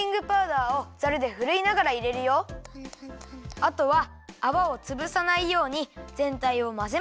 あとはあわをつぶさないようにぜんたいをまぜます。